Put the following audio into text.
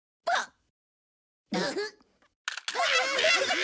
あっ。